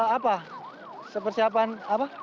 apa sepersiapan apa